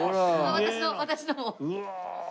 私の私のも。